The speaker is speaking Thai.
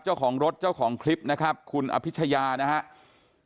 เจ้าของรถเจ้าของคลิปนะครับคุณอภิชยานะครับ